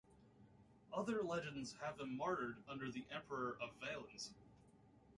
Other legends have him martyred under the Emperor Valens.